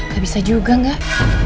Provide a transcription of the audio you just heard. gak bisa juga gak